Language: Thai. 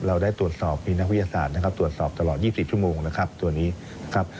เราได้ตรวจสอบมีนักวิทยาศาสตร์นะครับตรวจสอบตลอด๒๐ชั่วโมงนะครับตัวนี้นะครับ